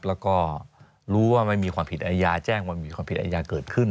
แล้วก็รู้ว่าไม่มีความผิดอายาแจ้งว่ามีความผิดอาญาเกิดขึ้น